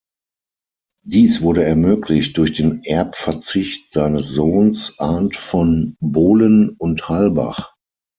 Dies wurde ermöglicht durch den Erbverzicht seines Sohns Arndt von Bohlen und Halbach.